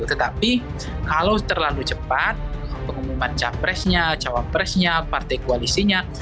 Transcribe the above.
tetapi kalau terlalu cepat pengumuman capresnya cawapresnya partai koalisinya